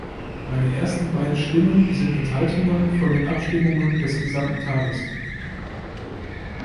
Meine ersten beiden Stimmen sind Enthaltungen von den Abstimmungen des gesamten Tages.